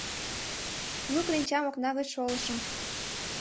Лу кленчам окна гоч шолышым...